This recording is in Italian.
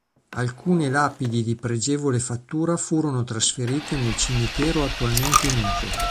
Alcune lapidi di pregevole fattura furono trasferite nel cimitero attualmente in uso.